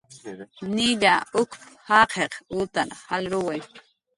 "Nilla uk""p"" jaqiq utar jalruwi"